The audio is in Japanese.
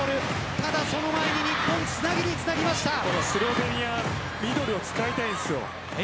ただその前に日スロベニアミドルを使いたいんです。